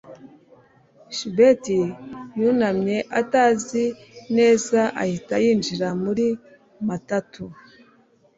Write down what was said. chebet yunamye atazi neza ahita yinjira muri matatu